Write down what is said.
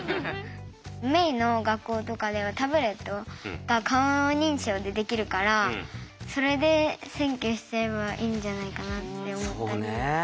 萌衣の学校とかではタブレットが顔認証でできるからそれで選挙しちゃえばいいんじゃないかなって思った。